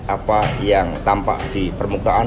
apa yang tampak diperbatasikan